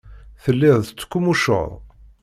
Telliḍ tettqummuceḍ.